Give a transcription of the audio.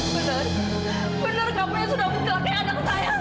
benar benar kamu yang sudah mencapi anak saya